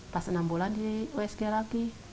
pas enam bulan di usg lagi